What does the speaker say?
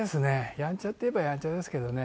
やんちゃっていえばやんちゃですけどね。